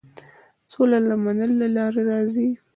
سوله د منلو له لارې راځي.